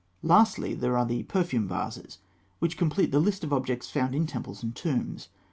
Lastly, there are the perfume vases, which complete the list of objects found in temples and tombs.